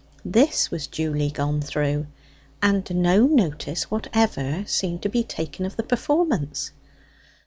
This was duly gone through, and no notice whatever seemed to be taken of the performance.